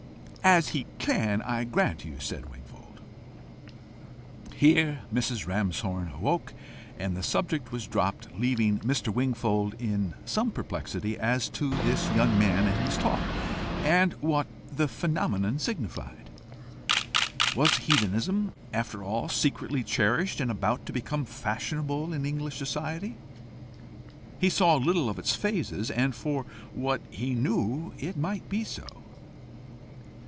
"AS HE CAN, I grant you," said Wingfold. Here Mrs. Ramshorn woke, and the subject was dropped, leaving Mr. Wingfold in some perplexity as to this young man and his talk, and what the phenomenon signified. Was heathenism after all secretly cherished, and about to become fashionable in English society? He saw little of its phases, and for what he knew it might be so.